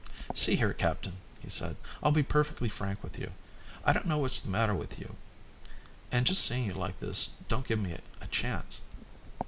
"See here, Captain," he said, "I'll be perfectly frank with you. I don't know what's the matter with you, and just seeing you like this don't give me a chance.